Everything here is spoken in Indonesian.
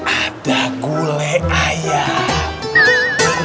ada gulai ayam